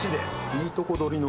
いいとこどりの。